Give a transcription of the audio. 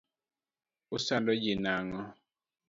Usando ji nang'o?